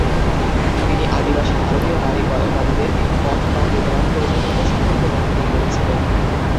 তিনি আদিবাসী ভারতীয় নারীবাদীদের পথ বাতলে দেওয়ার প্রয়োজনীয়তা সম্পর্কে অনুধাবন করেছিলেন।